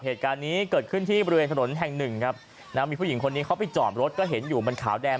เหตุการณ์นี้เกิดขึ้นที่บริเวณถนนแห่งหนึ่งครับนะมีผู้หญิงคนนี้เขาไปจอดรถก็เห็นอยู่มันขาวแดง